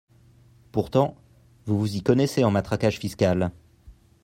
Pourtant, vous vous y connaissez en matraquage fiscal